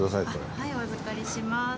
はいお預かりします。